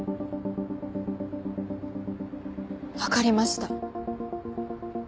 わかりました。